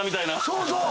そうそう！